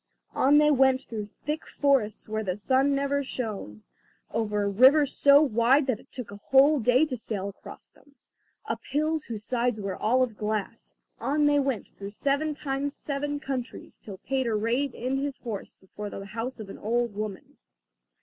On they went through thick forests where the sun never shone, over rivers so wide that it took a whole day to sail across them, up hills whose sides were all of glass; on they went through seven times seven countries till Peter reined in his horse before the house of an old woman.